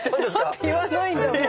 だって言わないんだもん。